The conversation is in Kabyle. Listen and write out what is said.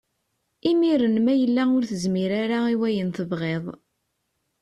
Imiren ma yella ur tezmir ara i wayen tebɣiḍ.